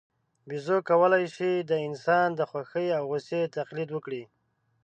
بیزو کولای شي د انسان د خوښۍ او غوسې تقلید وکړي.